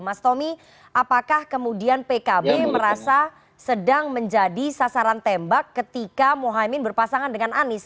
mas tommy apakah kemudian pkb merasa sedang menjadi sasaran tembak ketika mohaimin berpasangan dengan anies